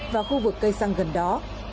và khu vực cây xăng gần đó